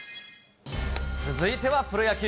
続いてはプロ野球。